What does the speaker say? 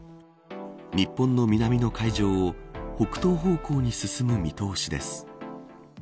日本の南の海上を北東方向に進む見通しです。